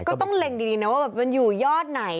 นี่คือก็ต้องเล็งดีในว่าอยู่ยอดไหน